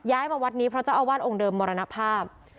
มาวัดนี้เพราะเจ้าอาวาสองค์เดิมมรณภาพ